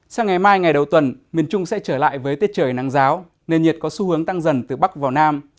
sáng ngày mai ngày đầu tuần miền trung sẽ trở lại với tiết trời nắng giáo nền nhiệt có xu hướng tăng dần từ bắc vào nam